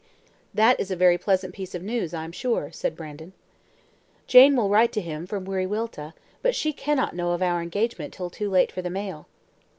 "That is a very pleasant piece of news, I am sure," said Brandon. "Jane will write to him from Wiriwilta, but she cannot know of our engagement till too late for the mail."